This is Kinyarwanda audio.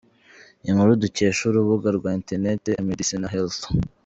Inkuru dukesha urubuga rwa internet emedicinehealth.